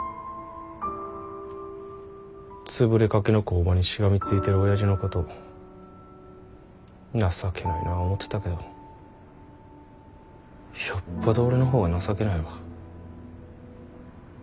潰れかけの工場にしがみついてるおやじのこと情けないなぁ思てたけどよっぽど俺の方が情けないわ。